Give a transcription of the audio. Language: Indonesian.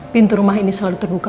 pintu rumah ini selalu terbuka